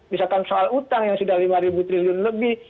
misalkan soal utang yang sudah lima triliun lebih